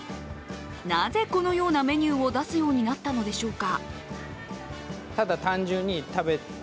なぜ、このようなメニューを出すようになったのでしょうか。